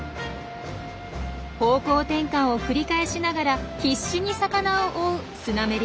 方向転換を繰り返しながら必死に魚を追うスナメリ。